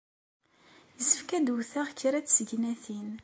Yessefk ad d-wteɣ kra n tsegnatin.